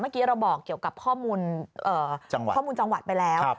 เมื่อกี้เราบอกเกี่ยวกับข้อมูลข้อมูลจังหวัดไปแล้ว